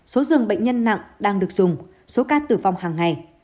số dường bệnh nhân nặng đang được dùng số ca tử vong hàng ngày